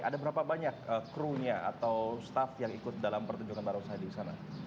ada berapa banyak krunya atau staff yang ikut dalam pertunjukan barongsai di sana